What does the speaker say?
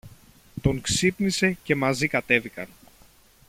Τον ξύπνησε και μαζί κατέβηκαν.